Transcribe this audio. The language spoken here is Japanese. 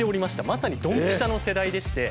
まさにドンピシャの世代でして。